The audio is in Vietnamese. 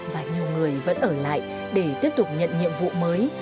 và nhiều người vẫn ở lại để tiếp tục nhận nhiệm vụ mới